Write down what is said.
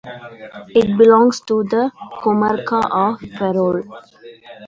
It belongs to the comarca of Ferrol.